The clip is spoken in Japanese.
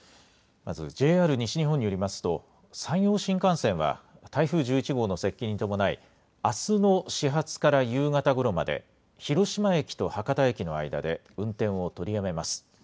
まずＪＲ西日本によりますと山陽新幹線は台風１１号の接近に伴いあすの始発から夕方ごろまで広島駅と博多駅の間で運転を取りやめます。